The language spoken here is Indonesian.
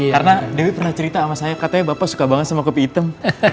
karena dewi pernah cerita sama saya katanya bapak suka banget sama kopi hitam